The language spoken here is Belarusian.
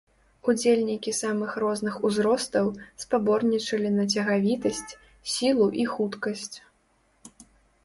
Удзельнікі самых розных узростаў спаборнічалі на цягавітасць, сілу і хуткасць.